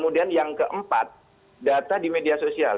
dan yang keempat data di media sosial